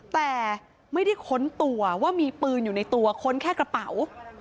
แต่ไม่ได้ค้นตัวว่ามีปืนอยู่ในตัวค้นแค่กระเป๋า